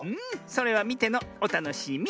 それはみてのおたのしみ。